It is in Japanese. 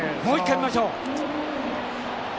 もう一回見ましょう。